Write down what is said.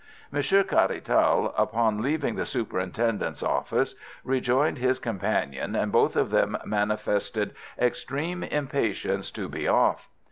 Monsieur Caratal, upon leaving the superintendent's office, rejoined his companion, and both of them manifested extreme impatience to be off.